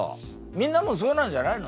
みんなもそうなんじゃないの？